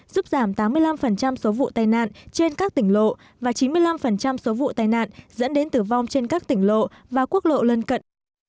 giúp giảm tám mươi năm số vụ tai nạn trên các tỉnh lộ và chín mươi năm số vụ tai nạn dẫn đến tử vong trên các tỉnh lộ và quốc lộ lân cận